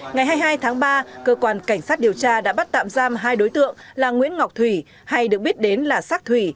ngày hai mươi hai tháng ba cơ quan cảnh sát điều tra đã bắt tạm giam hai đối tượng là nguyễn ngọc thủy hay được biết đến là sắc thủy